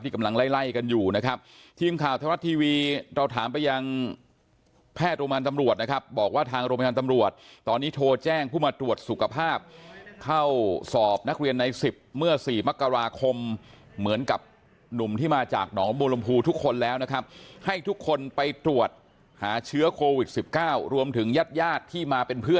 กำลังไล่ไล่กันอยู่นะครับทีมข่าวธรรมรัฐทีวีเราถามไปยังแพทย์โรงพยาบาลตำรวจนะครับบอกว่าทางโรงพยาบาลตำรวจตอนนี้โทรแจ้งผู้มาตรวจสุขภาพเข้าสอบนักเรียนในสิบเมื่อสี่มกราคมเหมือนกับหนุ่มที่มาจากหนองบัวลำพูทุกคนแล้วนะครับให้ทุกคนไปตรวจหาเชื้อโควิดสิบเก้ารวมถึงญาติญาติที่มาเป็นเพื่อ